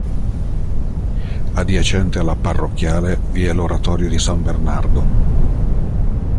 Adiacente alla parrocchiale vi è l'oratorio di San Bernardo.